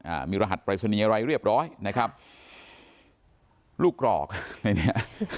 อ่ามีรหัสปรายศนีย์อะไรเรียบร้อยนะครับลูกกรอกอะไรเนี้ย